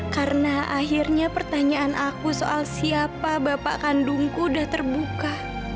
karena akhirnya pertanyaan aku soal siapa bapak kandungku sudah terbuka